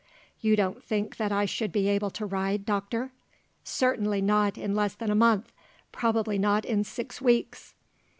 "You don't think that I should be able to ride, doctor?" "Certainly not in less than a month, probably not in six weeks."